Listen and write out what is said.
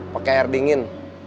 pakai air dingin